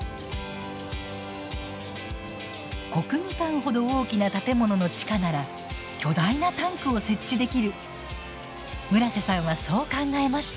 国技館ほど大きな建物の地下なら巨大なタンクを設置できる村瀬さんはそう考えました。